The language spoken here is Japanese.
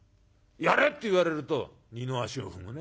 『やれ』って言われると二の足を踏むね。